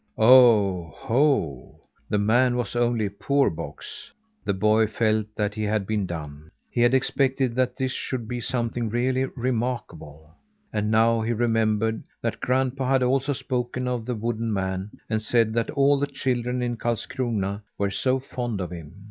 _ Oh ho! the man was only a poor box. The boy felt that he had been done. He had expected that this should be something really remarkable. And now he remembered that grandpa had also spoken of the wooden man, and said that all the children in Karlskrona were so fond of him.